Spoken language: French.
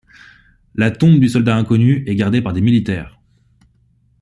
La tombe du soldat inconnu est gardée par des militaires.